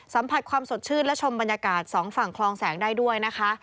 สัมผัสความสดชื่นและชมบรรยากาศสองฝั่งคลองแสงได้ด้วยนะคะ